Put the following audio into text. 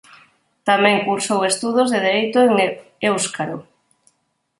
Tamén cursou estudos de Dereito en éuscaro.